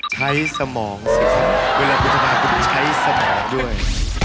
ใช้สมองสิครับเวลาคุณจะมาคุณใช้สมองด้วย